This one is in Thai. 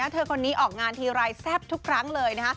เธอคนนี้ออกงานทีไรแซ่บทุกครั้งเลยนะคะ